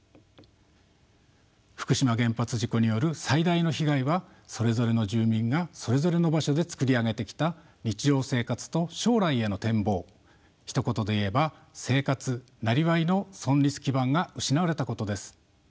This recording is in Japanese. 福島原発事故による最大の被害はそれぞれの住民がそれぞれの場所でつくり上げてきた日常生活と将来への展望ひと言で言えば生活・なりわいの存立基盤が失われたことです。